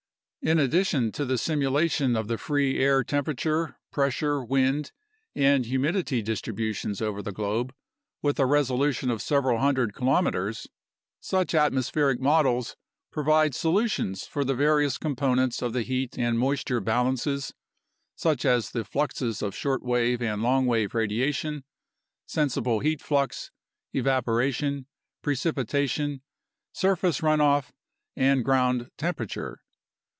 In addition to the simula tion of the free air temperature, pressure, wind, and humidity distribu tions over the globe with a resolution of several hundred kilometers, such atmospheric models provide solutions for the various components of the heat and moisture balances, such as the fluxes of shortwave and long wave radiation, sensible heat flux, evaporation, precipitation, sur face runoff, and ground temperature.